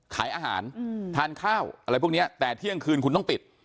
ขายอาหารทานข้าวอะไรพวกนี้แต่เที่ยงคืนคุณต้องปิด